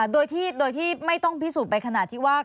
โดยที่ไม่ต้องพิสูจน์ไปขนาดที่ว่า